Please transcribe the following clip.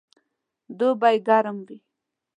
دوبئ ګرم وي